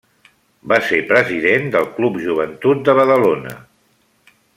Va ser president del Club Joventut de Badalona.